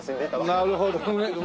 なるほどね。